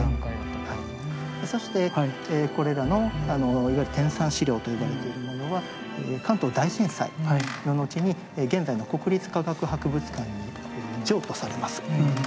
そしてこれらのいわゆる天産資料と呼ばれているものは関東大震災の後に現在の国立科学博物館に譲渡されます。